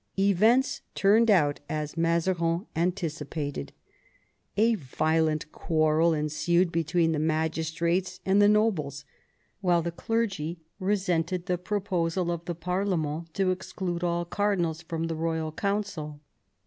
Events turned out as Mazarin anticipated. A violent quarrel ensued between the magistrates and the nobles, while the clergy resented the proposal of the parlement to exclude all cardinals from the royal council.